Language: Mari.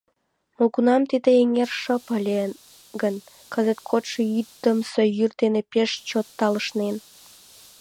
Молгунам тиде эҥер шып ыле гын, кызыт кодшо йӱдымсӧ йӱр дене пеш чот талышнен.